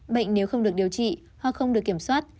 bệnh nếu không được điều trị hoặc không được kiểm soát